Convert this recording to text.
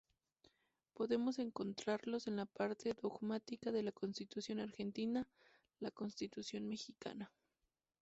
Podemos encontrarlos en la parte Dogmática de la Constitución argentina, la constitución Mexicana.